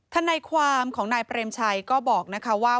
ทนายความของนายเปรมชัยก็บอกนะคะว่า